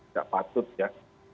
tak patut ya